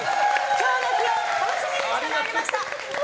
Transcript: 今日の日を楽しみにしていました。